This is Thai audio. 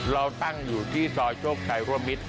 เราตั้งอยู่ที่ซอยโชคชัยร่วมมิตร